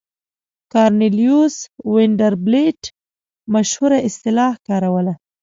کارنلیوس وینډربیلټ مشهوره اصطلاح کاروله.